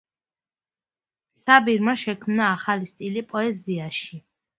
საბირმა შექმნა ახალი სტილი პოეზიაში.